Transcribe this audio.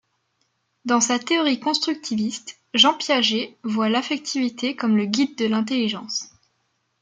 Dans sa théorie constructiviste, Jean Piaget voit l’affectivité comme le guide de l’intelligence.